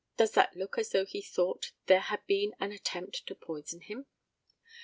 Does that look as though he thought there had been an attempt to poison him?